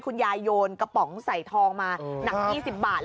โยนกระป๋องใส่ทองมาหนัก๒๐บาท